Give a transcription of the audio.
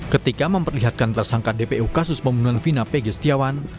ketika memperlihatkan tersangka dpu kasus pembunuhan vina pg setiawan